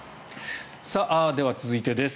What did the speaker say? では続いてです。